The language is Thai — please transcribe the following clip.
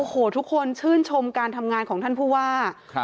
โอ้โหทุกคนชื่นชมการทำงานของท่านผู้ว่า